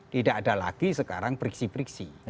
tidak ada lagi sekarang priksi priksi